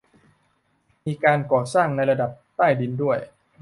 มีการก่อสร้างในระดับใต้ดินด้วย